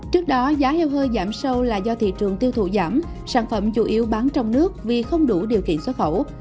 trước đó giá heo hơi giảm sâu là do thị trường tiêu thụ giảm sản phẩm chủ yếu bán trong nước vì không đủ điều kiện xuất khẩu